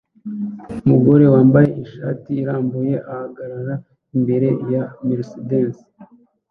Umugore wambaye ishati irambuye ahagarara imbere ya Mercedes